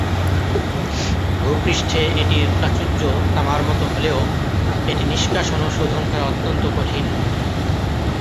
ভূপৃষ্ঠে এটির প্রাচুর্য তামার মতো হলেও এটি নিষ্কাশন ও শোধন করা অত্যন্ত কঠিন।